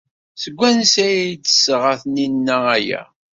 Seg wansi ay d-tesɣa Taninna aya?